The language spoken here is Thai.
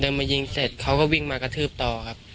มายิงเสร็จเขาก็วิ่งมากระทืบต่อครับ